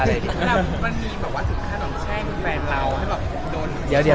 มันมีถึงขั้นของแช่งแฟนเรา